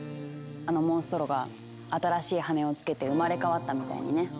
あのモンストロが新しい羽をつけて生まれ変わったみたいにね。